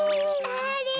あれ。